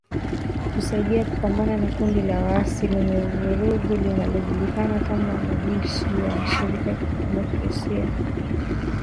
Kusaidia kupambana na kundi la waasi lenye vurugu linalojulikana kama majeshi ya washirika wakidemokrasia uingiliaji mkubwa zaidi wa kigeni nchini Kongo